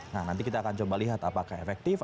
nah nanti kita akan coba lihat apakah efektif